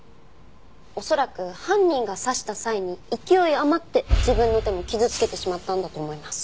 恐らく犯人が刺した際に勢い余って自分の手も傷つけてしまったんだと思います。